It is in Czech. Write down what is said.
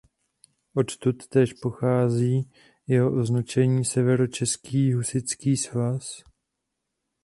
Odtud též pochází jeho označení Severočeský husitský svaz.